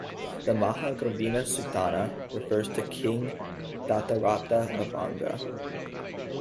The "Mahagovinda Suttanta" refers to king Dhatarattha of Anga.